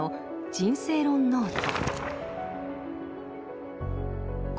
「人生論ノート」。